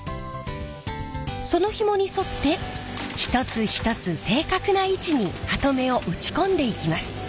そのヒモに沿って一つ一つ正確な位置にハトメを打ち込んでいきます。